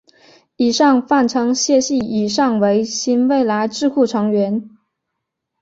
以上泛称谢系以上为新未来智库成员。